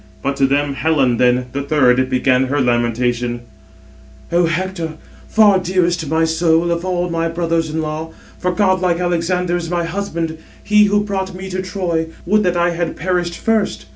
But to them Helen then, the third, began her lamentation: "O Hector, far dearest to my soul of all my brothers in law, for godlike Alexander is my husband, he who brought me to Troy:—would that I had perished first.